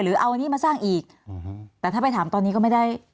เอาอันนี้มาสร้างอีกแต่ถ้าไปถามตอนนี้ก็ไม่ได้